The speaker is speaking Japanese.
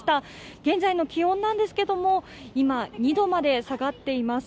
現在の気温なんですけども今、２度まで下がっています。